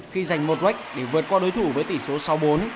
khi giành một ngách để vượt qua đối thủ với tỷ số sáu bốn